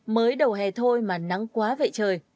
mới đầu hè thôi mà nắng quá vậy trời